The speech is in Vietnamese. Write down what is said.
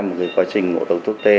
một quá trình ngộ đầu thuốc tê